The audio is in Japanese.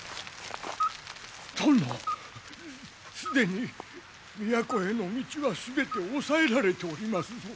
殿既に都への道は全て押さえられておりますぞ。